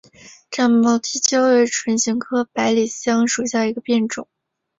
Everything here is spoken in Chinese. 展毛地椒为唇形科百里香属下的一个变种。